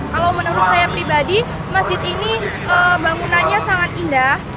kalau menurut saya pribadi masjid ini bangunannya sangat indah